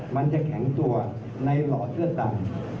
มันจะแข็งตัวในหลอดเสื้อดำ